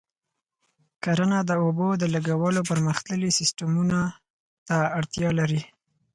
کرنه د اوبو د لګولو پرمختللي سیستمونه ته اړتیا لري.